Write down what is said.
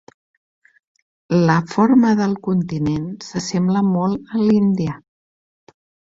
La forma del continent s'assembla molt a l'Índia.